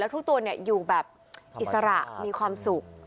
ทุกตัวอยู่แบบอิสระมีความสุข